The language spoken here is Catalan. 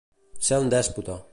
Ser un dèspota.